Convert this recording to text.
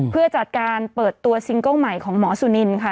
เพื่อจัดการเปิดตัวซิงเกิ้ลใหม่ของหมอสุนินค่ะ